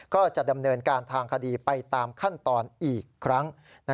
ก็จะดำเนินการทางคดีไปตามขั้นตอนอีกครั้ง